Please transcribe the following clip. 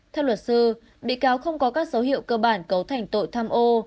theo luật sư bị cáo không có các dấu hiệu cơ bản cấu thành tội tham ô